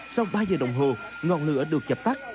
sau ba giờ đồng hồ ngọn lửa được dập tắt